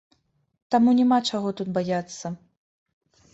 Таму няма чаго тут баяцца.